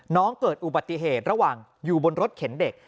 เกิดอุบัติเหตุระหว่างอยู่บนรถเข็นเด็ก